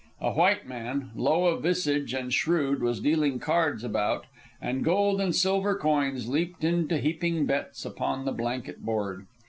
A white man, low of visage and shrewd, was dealing cards about, and gold and silver coins leaped into heaping bets upon the blanket board.